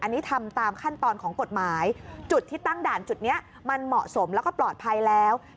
อันนี้ทำตามขั้นตอนของกฎหมายจุดที่ตั้งด่านจุดนี้มันเหมาะสมแล้วก็ปลอดภัยแล้ว